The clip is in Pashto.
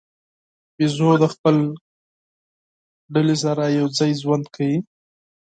بیزو د خپل ګروپ سره یو ځای ژوند کوي.